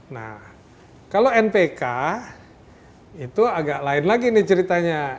nah kalau npk itu agak lain lagi nih ceritanya